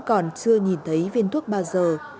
còn chưa nhìn thấy viên thuốc bao giờ